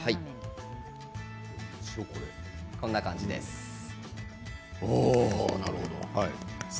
こんな感じです。